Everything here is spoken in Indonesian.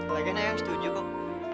laginya yang setuju kok